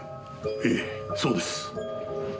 ええそうです。